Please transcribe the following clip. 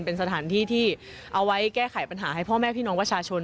เป็นสถานที่ที่เอาไว้แก้ไขปัญหาให้พ่อแม่พี่น้องประชาชน